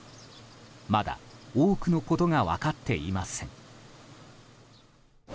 まだ多くのことが分かっていません。